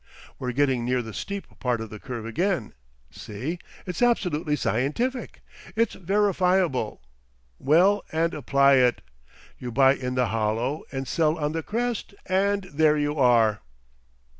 We're getting near the steep part of the curve again. See? It's absolutely scientific. It's verifiable. Well, and apply it! You buy in the hollow and sell on the crest, and there you are!"